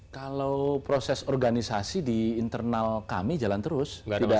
kalau proses organisasi di internal kami jalan terus